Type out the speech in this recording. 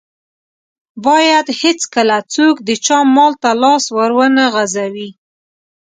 بايد هيڅکله څوک د چا مال ته لاس ور و نه غزوي.